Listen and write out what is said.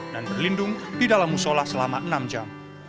dan berlindung di dalam musola selama enam jam